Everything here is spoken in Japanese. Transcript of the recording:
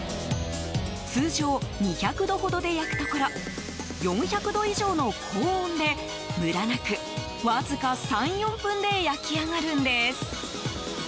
通常２００度ほどで焼くところ４００度以上の高温でムラなくわずか３４分で焼き上がるんです。